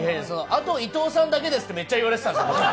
あと伊藤さんだけですってめっちゃ言われてたんだから。